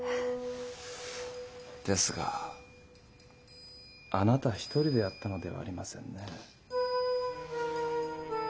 ですがあなた一人でやったのではありませんね？